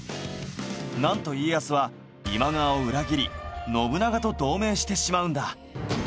なんと家康は今川を裏切り信長と同盟してしまうんだ